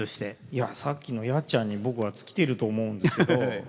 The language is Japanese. いやさっきの「やっちゃん」に僕は尽きていると思うんですけど。